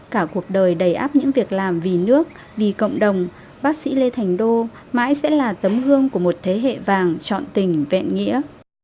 cả cuộc đời đầy áp những việc làm vì nước vì cộng đồng bác sĩ lê thành đô mãi sẽ là tấm gương của một thế hệ vàng trọn tình vẹn nghĩa